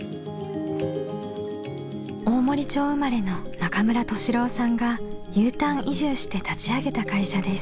大森町生まれの中村俊郎さんがＵターン移住して立ち上げた会社です。